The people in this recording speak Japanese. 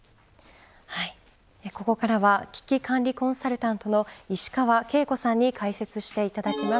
ここからは危機管理コンサルタントの石川慶子さんに解説していただきます。